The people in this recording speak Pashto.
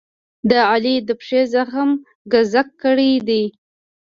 د علي د پښې زخم ګذک کړی دی.